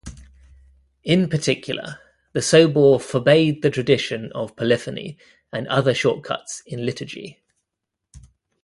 In particular, the Sobor forbade the tradition of polyphony and other shortcuts in liturgy.